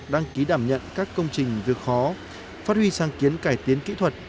đăng ký đảm nhận các công trình việc khó phát huy sáng kiến cải tiến kỹ thuật